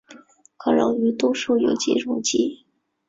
可溶于多数有机溶剂。